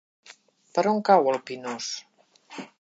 Per on cau el Pinós?